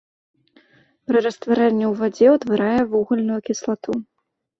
Пры растварэнні ў вадзе ўтварае вугальную кіслату.